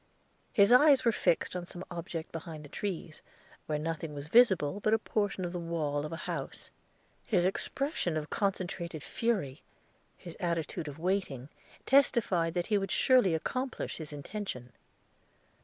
His eyes were fixed on some object behind the trees, where nothing was visible but a portion of the wall of a house. His expression of concentrated fury his attitude of waiting testified that he would surely accomplish his intention.